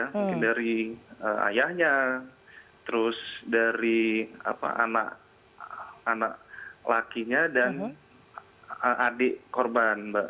mungkin dari ayahnya terus dari anak lakinya dan adik korban mbak